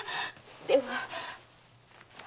では。